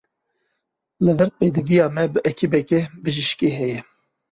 Li vir pêdiviya me bi ekîbeke bijîşkî heye.